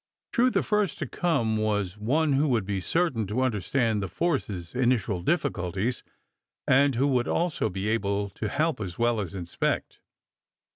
True, the first to come was one who would be certain to understand the force's initial difficulties, and who would also be able to help as well as inspect.